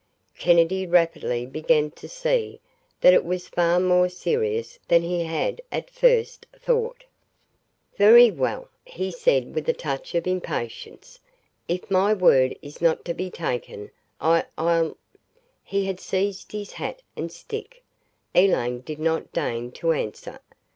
Kennedy rapidly began to see that it was far more serious than he had at first thought. "Very well," he said with a touch of impatience, "if my word is not to be taken I I'll " He had seized his hat and stick. Elaine did not deign to answer.